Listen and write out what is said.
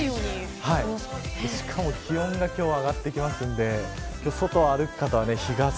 しかも気温が今日は上がりますので外を歩く方は日傘。